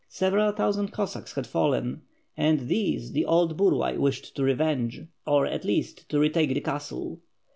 Several thousand Cossacks had fallen, and these the old Burlay wished to revenge, or at least to retake the castle.